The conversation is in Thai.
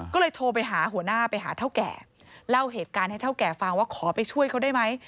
ก็เลยโทรไปหาหัวหน้าไปหาเท่าแก่เล่าเหตุการณ์ให้เท่าแก่ฟังว่าขอไปช่วยเขาได้ไหม